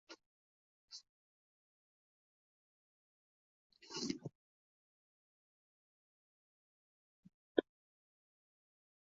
বর্তমানে, এটি গভর্নর বোর্ডের উপ-চেয়ারম্যান অধ্যাপক আলী বিন মোহাম্মদ বিন মুসা সিবিও’র প্রধান হিসেবে দায়িত্ব পালন করছেন।